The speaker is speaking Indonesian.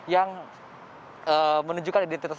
yang menunjukkan identitas mereka